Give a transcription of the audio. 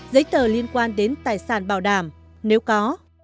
giấy tờ liên quan đến tài sản bảo đảm nếu có